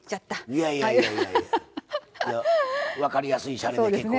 いやいや分かりやすいシャレで結構でしたが。